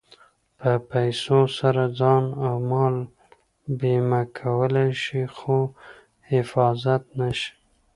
په پیسو سره ځان او مال بیمه کولی شې خو حفاظت نه شې.